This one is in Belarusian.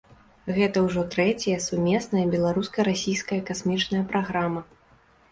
Гэта ўжо трэцяя сумесная беларуска-расійская касмічная праграма.